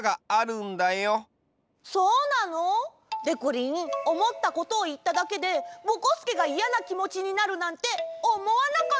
そうなの？でこりんおもったことをいっただけでぼこすけがイヤなきもちになるなんておもわなかった。